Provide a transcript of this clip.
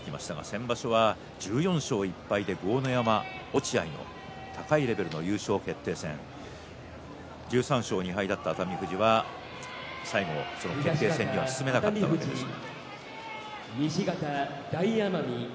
先場所は１４勝１敗で豪ノ山、落合の高いレベルの優勝決定戦１３勝２敗だった熱海富士は最後、その決定戦には進めなかったわけですが。